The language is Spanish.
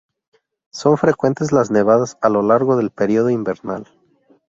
Son frecuentes las nevadas a lo largo del período invernal.